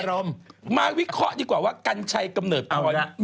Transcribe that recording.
เอาอย่างนี้มาวิเคราะห์ดีกว่าว่ากัญชัยกำเนิดตัวนี้